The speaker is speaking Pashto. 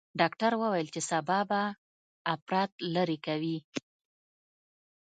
ډاکتر وويل چې سبا به اپرات لرې کوي.